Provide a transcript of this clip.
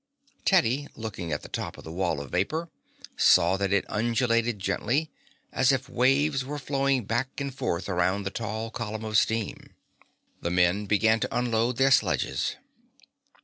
Teddy, looking at the top of the wall of vapor, saw that it undulated gently, as if waves were flowing back and forth around the tall column of steam. The men began to unload their sledges.